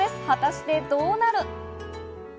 果たしてどうなる？